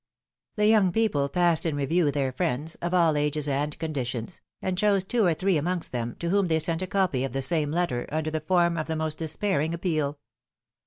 The young people passed in review their friends, of all ages and conditions, and chose two or three amongst them, to whom they sent a copy of the same letter, under the form of the most despairing appeal.